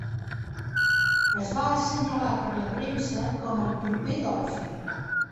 Es va assenyalar per la premsa com el "proper Dolphy".